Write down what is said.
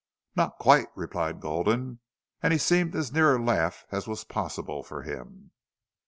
"Not quite," replied Gulden, and he seemed as near a laugh as was possible for him.